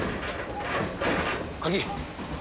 鍵。